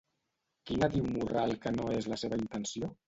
Quina diu Morral que no és la seva intenció?